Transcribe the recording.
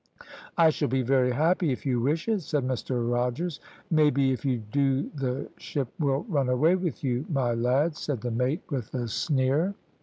"`I shall be very happy, if you wish it,' said Mr Rogers. "`Maybe if you do the ship will run away with you, my lad,' said the mate, with a sneer.